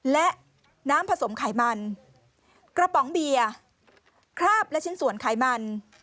และน้ำผสมไขมันกระป๋องเบียร์คราบและชิ้นส่วนไขมัน